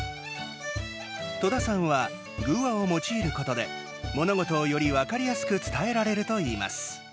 戸田さんは、寓話を用いることで物事をより分かりやすく伝えられるといいます。